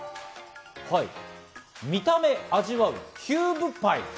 見た目味わうキューブパイ。